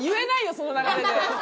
その流れで。